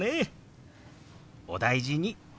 お大事に。